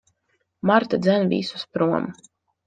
Marta dzen visus prom.